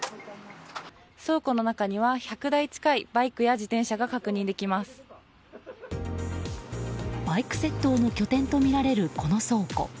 倉庫の中には１００台近いバイクや自転車がバイク窃盗の拠点とみられるこの倉庫。